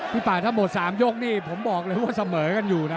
ป่าถ้าหมด๓ยกนี่ผมบอกเลยว่าเสมอกันอยู่นะ